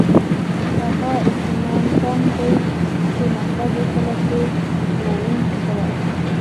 هغه اطماننتم دی چې مطلب یې کله چې مطمئن شوئ.